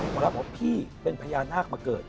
หมอลักษณ์บอกพี่เป็นพญานาคมาเกิด